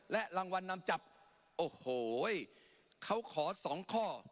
และรางวัลนำจับโอ้โหเขาขอสองข้อ